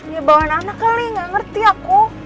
dia bawain anak kali gak ngerti aku